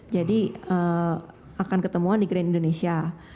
jadi akan ketemuan di grand indonesia